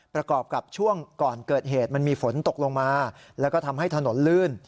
ประกอบกับช่วงก่อนเกิดเหตุมันมีฝนตกลงมาแล้วก็ทำให้ถนนลื่น